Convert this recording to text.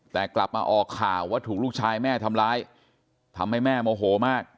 แต่กลับมาออกข่าวว่าถูกลูกชายแม่ทำร้ายทำให้แม่โมโหมาก